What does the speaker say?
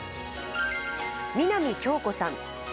南杏子さん。